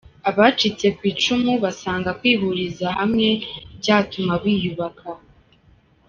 Abacitse ku icumu basanga kwihuriza hamwe byatuma biyubaka